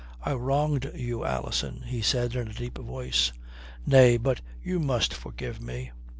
"I wronged you, Alison," he said in a deep voice. "Nay, but you must forgive me.